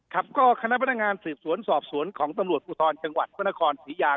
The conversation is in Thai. ครับก็คณะพนักงานสืบสวนสอบสวนของตำรวจภูทรจังหวัดพระนครศรียา